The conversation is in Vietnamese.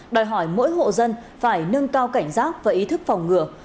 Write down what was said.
đòi hỏi mỗi hộ dân phải nâng cao cảnh giác và ý thức phòng ngừa